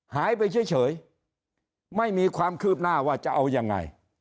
หายไปเฉยไม่มีความคืบหน้าว่าจะเอายังไง